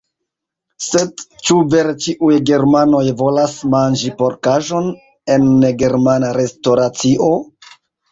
Sed ĉu vere ĉiuj germanoj volas manĝi porkaĵon en negermana restoracio?